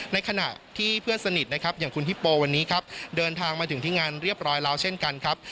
ในขณะที่เพื่อนสนิทนะครับอย่างคุณฮิปโปวันนี้ครับเดินทางมาถึงที่งานเรียบร้อยแล้วเช่นกันครับ